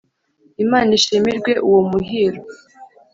imana ishimirwe uwo muhiro